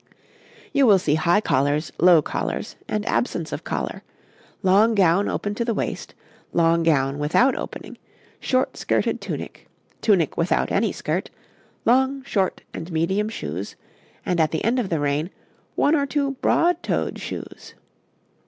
You will see high collars, low collars, and absence of collar, long gown open to the waist, long gown without opening, short skirted tunic, tunic without any skirt, long, short, and medium shoes, and, at the end of the reign, one or two broad toed shoes.